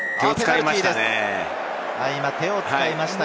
手を使いましたね。